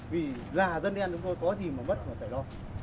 vì già dân đen chúng tôi có gì mà mất có thái độ